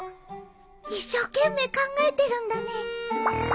一生懸命考えてるんだね